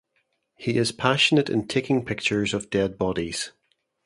He is passionate in taking pictures of dead bodies.